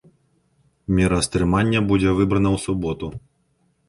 Мера стрымання будзе выбрана ў суботу.